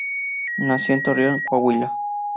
Nació en Torreón, Coahuila.